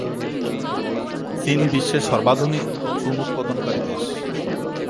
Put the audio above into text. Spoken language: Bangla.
চীন বিশ্বের সর্বাধিক চুন উৎপাদনকারী দেশ।